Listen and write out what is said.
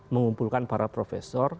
mengumpulkan para profesor